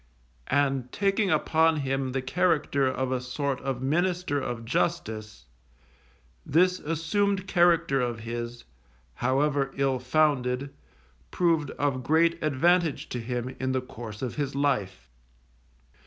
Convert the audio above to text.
And taking upon him the character of a sort of minister of Justice, this assumed character of his, however ill founded, proved of great advantage to him in the course of his life.